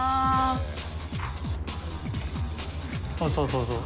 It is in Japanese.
そうそう。